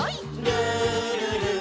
「るるる」